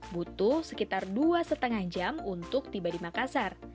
butuh sekitar dua lima jam untuk tiba di makassar